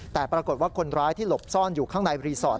แต่ปรากฏว่าคนร้ายที่หลบซ่อนอยู่ข้างในรีสอร์ท